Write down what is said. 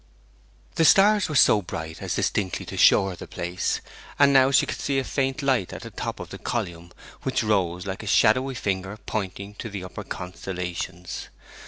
The stars were so bright as distinctly to show her the place, and now she could see a faint light at the top of the column, which rose like a shadowy finger pointing to the upper constellations.